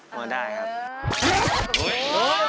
บอไวน์ได้ครับ